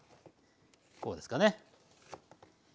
こうですかね。